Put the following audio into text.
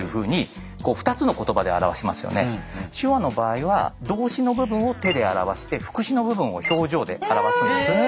手話の場合は動詞の部分を手で表して副詞の部分を表情で表すんですね。